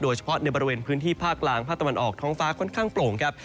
เฉพาะในบริเวณพื้นที่ภาคกลางภาคตะวันออกท้องฟ้าค่อนข้างโปร่งครับ